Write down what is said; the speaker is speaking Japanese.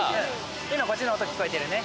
今こっちの音聞こえてるね。